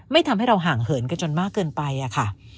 ทำให้เราห่างเหินกันจนมากเกินไปอะค่ะ